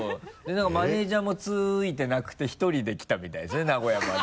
何かマネジャーもついてなくて１人で来たみたいですね名古屋まで。